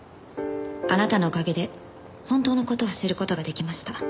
「あなたのおかげで本当のことを知ることができました」